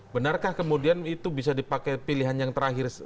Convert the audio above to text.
benarkah kemudian itu bisa dipakai pilihan yang terakhir